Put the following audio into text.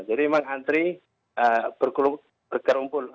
jadi memang antri berkerumpul